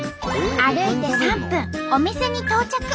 歩いて３分お店に到着。